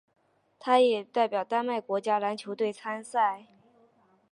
他也代表丹麦国家篮球队参赛。